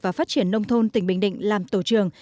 và phát triển nông thôn tỉnh bình định làm tổ trường